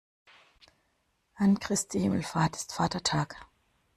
An Christi Himmelfahrt ist Vatertag.